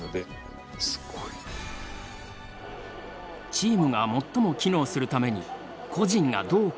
チームが最も機能するために個人がどう関わるか？